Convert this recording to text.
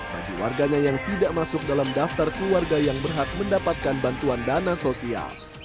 bagi warganya yang tidak masuk dalam daftar keluarga yang berhak mendapatkan bantuan dana sosial